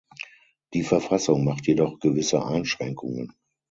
Die Verfassung macht jedoch gewisse Einschränkungen.